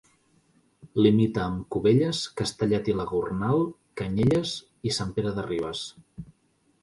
Limita amb Cubelles, Castellet i la Gornal, Canyelles i Sant Pere de Ribes.